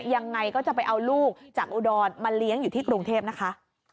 ยังไงก็จะไปเอาลูกจากอุดรมาเลี้ยงอยู่ที่กรุงเทพนะคะ